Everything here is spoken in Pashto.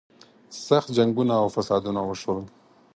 سخت جنګونه او فسادونه وشول.